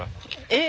え！